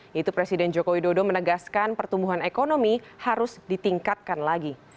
yaitu presiden joko widodo menegaskan pertumbuhan ekonomi harus ditingkatkan lagi